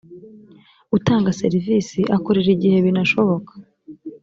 utanga serivisi akorera igihe binashoboka